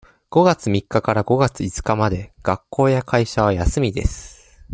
五月三日から五月五日まで学校や会社は休みです。